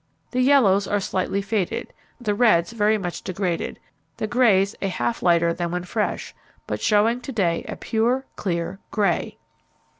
The yellows are slightly faded, the reds very much degraded, the greys a half lighter than when fresh; but showing to day a pure, clear grey.